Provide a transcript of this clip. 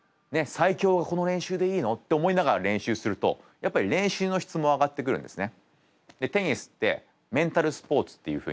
最強がこの練習でいいのって思いながら練習するとやっぱり練習の質も上がってくるんですね。